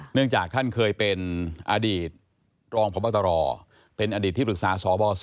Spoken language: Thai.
เนื่องจากท่านเคยเป็นอดีตรองพบตรเป็นอดีตที่ปรึกษาสบส